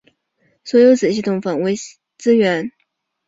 所有子系统访问资源都必须通过对象管理子系统。